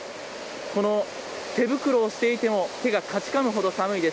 この手袋をしていても手がかじかむほど寒いです。